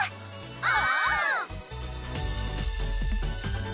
お！